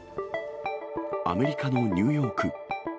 アメリカのニューヨーク。